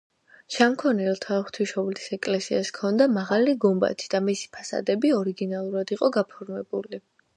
შამქორელთა ღვთისმშობლის ეკლესიას ჰქონდა მაღალი გუმბათი და მისი ფასადები ორიგინალურად იყო გაფორმებული.